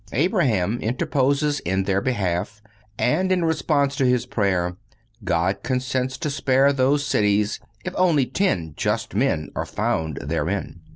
Abraham interposes in their behalf and, in response to his prayer, God consents to spare those cities if only ten just men are found therein.